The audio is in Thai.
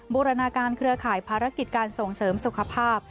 บูรณาการเครือข่ายภารกิจการส่งเสริมสุขภาพ